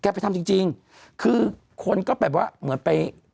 ไปทำจริงจริงคือคนก็แบบว่าเหมือนไป